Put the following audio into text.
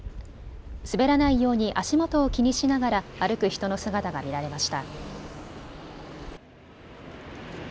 滑らないように足元を気にしながら歩く人の姿が見られました。